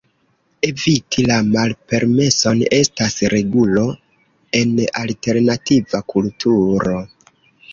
Eviti la malpermeson estas regulo en alternativa kulturo.